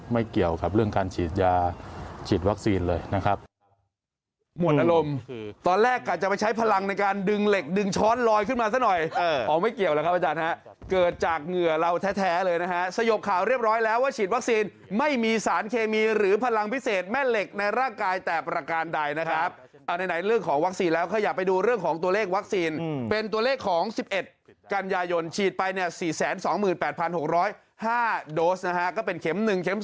เกี่ยวกับเรื่องการฉีดยาฉีดวัคซีนเลยนะครับ